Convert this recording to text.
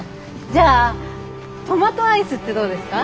じゃあトマトアイスってどうですか？